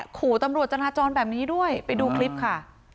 ขู่ตำรวจจราจรแบบนี้ด้วยไปดูคลิปค่ะ